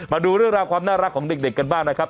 มาดูเรื่องราวความน่ารักของเด็กกันบ้างนะครับ